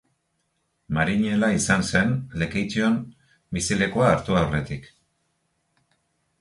Marinela izan zen, Lekeition bizilekua hartu aurretik.